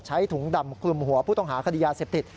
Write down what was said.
ใช้ถุงดำคลุมหัวผู้ต้องหาคดียาเสพติด